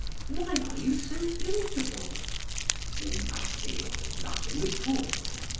"Why are you so irritable?" "Nothing nothing at all!"